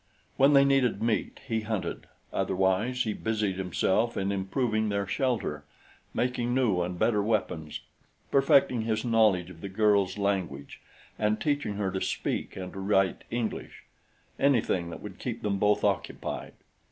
When they needed meat, he hunted, otherwise he busied himself in improving their shelter, making new and better weapons, perfecting his knowledge of the girl's language and teaching her to speak and to write English anything that would keep them both occupied.